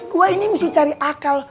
gue ini mesti cari akal